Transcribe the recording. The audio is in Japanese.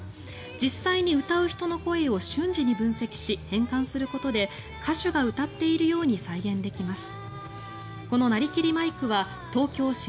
実際に歌う人の声を瞬時に分析し変換することで歌手が歌っているように再現できます。